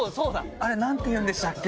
あれなんて言うんでしたっけ？